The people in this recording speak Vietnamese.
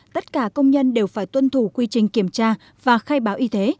tất cả công nhân đều phải tuân thủ quy trình kiểm tra và khai báo y tế